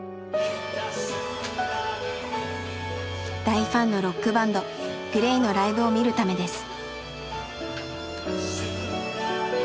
大ファンのロックバンドＧＬＡＹのライブを見るためです。